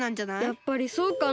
やっぱりそうかな。